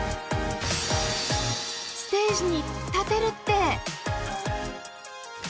ステージに立てるって！